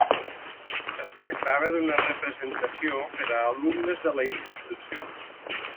Es tractava d'una representació per a alumnes de la institució.